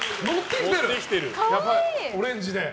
オレンジで。